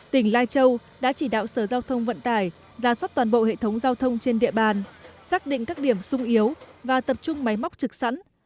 tỉnh lai châu đã chỉ đạo sở giao thông vận tải ra soát toàn bộ hệ thống giao thông trên địa bàn xác định các điểm sung yếu và tập trung máy móc trực sẵn